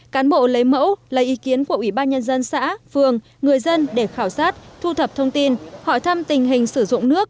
cán bộ lấy mẫu lấy ý kiến của ủy ban nhân dân xã phường người dân để khảo sát thu thập thông tin hỏi thăm tình hình sử dụng nước